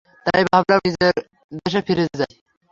তাই ভাবলাম নিজের দেশে ফিরে যাই।